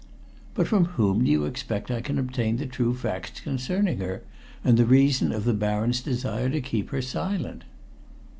"But from whom do you expect I can obtain the true facts concerning her, and the reason of the baron's desire to keep her silent?"